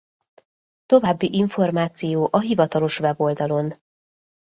További információ a hivatalos weboldalon.